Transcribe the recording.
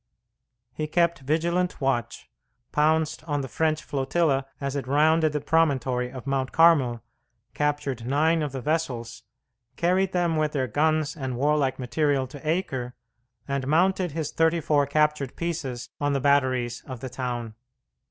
He kept vigilant watch, pounced on the French flotilla as it rounded the promontory of Mount Carmel, captured nine of the vessels, carried them with their guns and warlike material to Acre, and mounted his thirty four captured pieces on the batteries of the town.